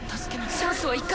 チャンスは１回。